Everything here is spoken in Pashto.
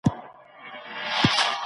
د ښه اخلاقو انسان تل محبوب وي.